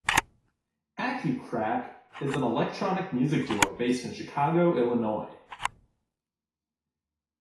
Acucrack is an electronic music duo based in Chicago, Illinois.